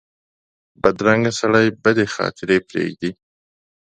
بدرنګه سړي بدې خاطرې پرېږدي